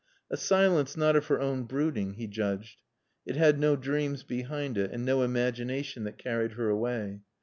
A silence not of her own brooding, he judged. It had no dreams behind it and no imagination that carried her away.